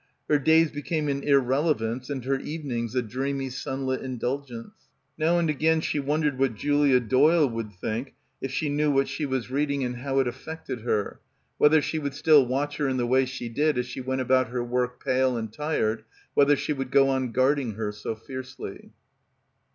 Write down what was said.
Her days became an irrele vance and her evenings a dreamy sunlit indul gence. Now and again she wondered what Julia — 182 — BACKWATER Doyle would think if she knew what she was reading and how it affected her — whether she would still watch her in the way she did as she went about her work pale and tired, whether she would go on guarding her so fiercely